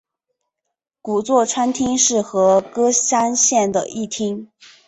古座川町是和歌山县的一町。